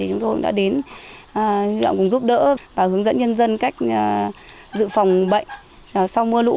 chúng tôi cũng đã đến giúp đỡ và hướng dẫn nhân dân cách dự phòng bệnh sau mưa lũ